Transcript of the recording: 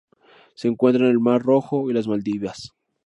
Se encuentra en el Mar Rojo y las Maldivas.